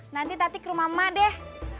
nanti tadi ke rumah emak deh